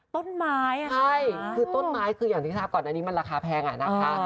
ต้นไม้อ่ะใช่คือต้นไม้คืออย่างที่ทราบก่อนอันนี้มันราคาแพงอ่ะนะคะ